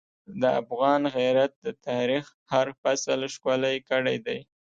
د افغان غیرت د تاریخ هر فصل ښکلی کړی دی.